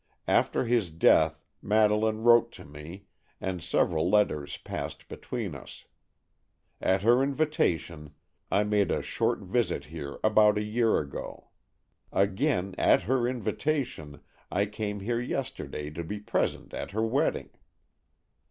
After his death Madeleine wrote to me, and several letters passed between us. At her invitation I made a short visit here about a year ago. Again, at her invitation, I came here yesterday to be present at her wedding."